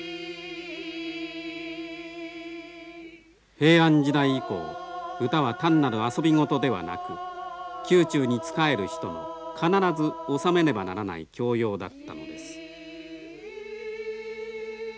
平安時代以降歌は単なる遊び事ではなく宮中に仕える人の必ず修めねばならない教養だったのです。